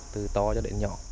từ to cho đến nhỏ